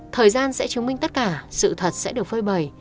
thời gian sẽ chứng minh tất cả sự thật sẽ được phơi bầy